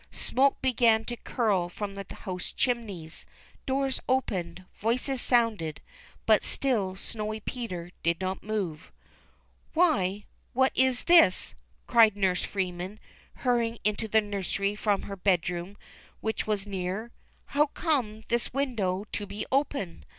Smoke began to curl from the house chimneys, doors opened, voices sounded, but still Snowy Peter did not move. " Why, what is this ?" cried Nurse Freeman, hurry ing into the nursery from her bedroom which was near. " How comes this window to be open